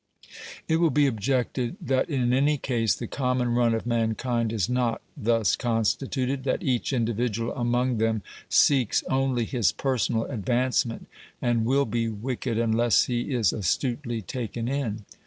It will be objected that in any case the common run of mankind is not thus constituted, that each individual among them seeks only his personal advancement and will be wicked unless he is astutely taken in.